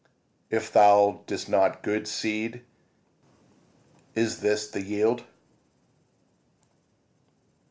If thou didst sow good seed, is this the yield?